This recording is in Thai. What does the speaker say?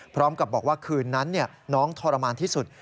พร้อมกับบอกว่าคืนนั้นน้องทรมานที่สุด